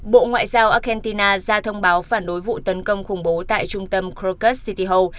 bộ ngoại giao argentina ra thông báo phản đối vụ tấn công khủng bố tại trung tâm crocus city hall